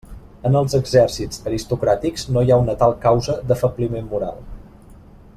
En els exèrcits aristocràtics no hi ha una tal causa d'afebliment moral.